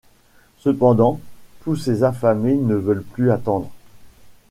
Cependant, tous ces affamés ne veulent plus attendre.